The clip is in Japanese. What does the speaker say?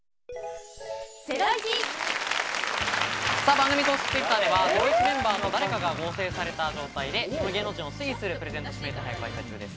番組公式Ｔｗｉｔｔｅｒでは『ゼロイチ』メンバーと誰かが合成された芸能人を推理するプレゼント指名手配を開催中です。